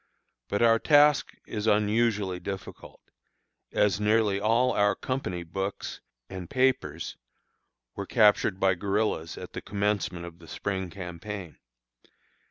But our task is unusually difficult, as nearly all our company books and papers were captured by guerillas at the commencement of the spring campaign.